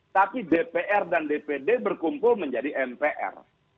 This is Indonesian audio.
tapi dpr dan dpd berkumpul menjadi mpr